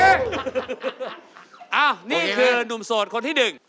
เอ้านี่คือนุ่มสดคนที่ดึงโอเคไหม